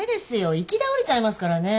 行き倒れちゃいますからね。